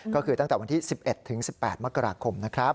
ก็คือตั้งแต่วันที่๑๑ถึง๑๘มกราคมนะครับ